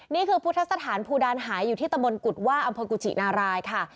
นี่คือพุทธสถานภูดานหายอยู่ที่ตะมนตกุฎว่าอำเภอกุชินารายค่ะ